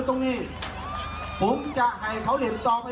เท่ากับคนตะการน้ำกัน